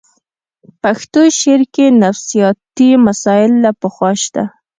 پښتو شعر کې نفسیاتي مسایل له پخوا شته